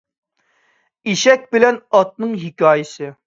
ئېشەك بىلەن ئاتنىڭ ھېكايىسى